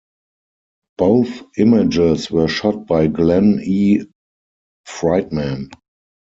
Both images were shot by Glen E. Friedman.